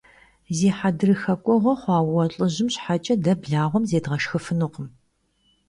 Zi hedrıxe k'ueğue xhua vue lh'ıjım şheç'e de blağuem zêdğeşşxıjjıfınukhım.